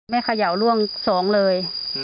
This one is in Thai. ไม่เขย่าร่วง๒เลย